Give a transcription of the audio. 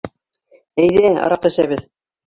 Әйҙә, араҡы әсәбеҙ!